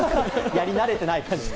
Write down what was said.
やり慣れてない感じが。